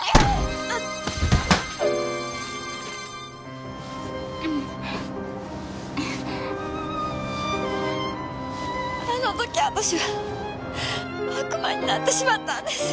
あの時私は悪魔になってしまったんです。